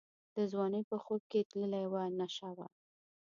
د ځوانۍ په خوب کي تللې وه نشه وه